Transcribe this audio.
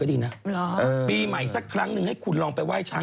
ที่ติดหนึ่งใน๗ของโลกเลย